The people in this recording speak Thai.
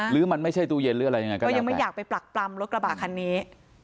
หรือมันไม่ใช่ตู้เย็นหรืออะไรยังไงก็ยังไม่อยากไปปรักปรำรถกระบะคันนี้